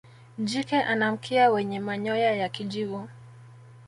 jike ana mkia wenye manyoya ya kijivu